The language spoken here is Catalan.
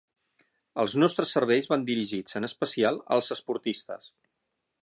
Els nostres serveis van dirigits, en especial, als esportistes.